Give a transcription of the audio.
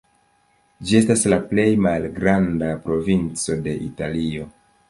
Ĝi estas la plej malgranda provinco de Italio.